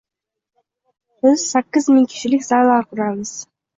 Biz sakkiz ming kishilik zallar quramiz.